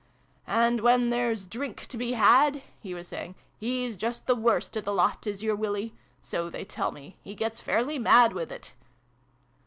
and when there's drink to be had," he was saying, " he's just the worst o' the lot, is your Willie. So they tell me. He gets fairly mad wi' it